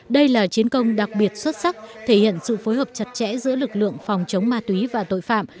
đây là chiến công đặc biệt xuất sắc thể hiện sự phối hợp chặt chẽ giữa lực lượng phòng chống ma túy và tội phạm